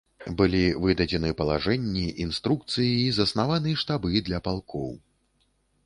Былі выдадзены палажэнні, інструкцыі і заснаваны штабы для палкоў.